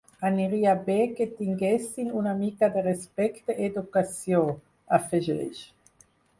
Aniria bé que tinguessin una mica de respecte i educació, afegeix.